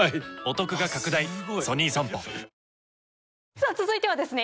さあ続いてはですね